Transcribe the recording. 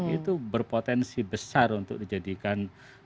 itu berpotensi besar untuk dijadikan